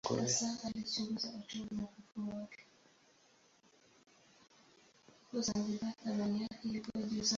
Wako China na Mongolia.